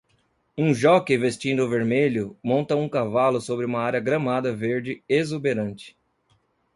Um jóquei vestindo vermelho monta um cavalo sobre uma área gramada verde exuberante.